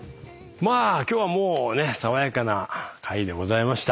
今日はもうね爽やかな回でございました。